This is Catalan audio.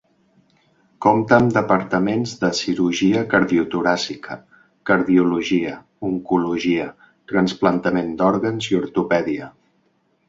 Compta amb departaments de cirurgia cardiotoràcica, cardiologia, oncologia, trasplantament d'òrgans i ortopèdia.